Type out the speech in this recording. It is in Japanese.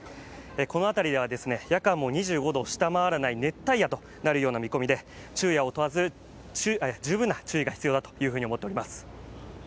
この辺りでは夜間も２５度を下回らない熱帯夜となるような見込みで昼夜を問わず十分な注意が必要だと思っています。